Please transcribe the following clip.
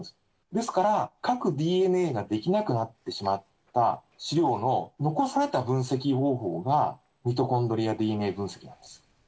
ですから、核ＤＮＡができなくなってしまった試料の残された分析方法が、ミトコンドリアＤＮＡ分析なんです。